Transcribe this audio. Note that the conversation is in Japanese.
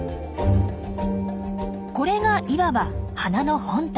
これがいわば花の本体。